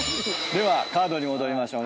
ではカードに戻りましょう。